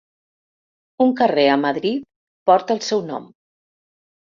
Un carrer a Madrid porta el seu nom.